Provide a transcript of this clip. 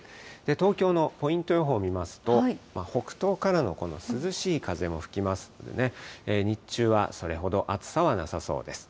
東京のポイント予報見ますと、北東からのこの涼しい風も吹きますのでね、日中はそれほど暑さはなさそうです。